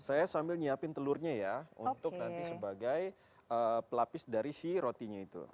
saya sambil nyiapin telurnya ya untuk nanti sebagai pelapis dari si rotinya itu